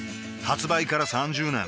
発売から３０年